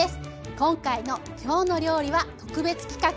今回の「きょうの料理」は特別企画。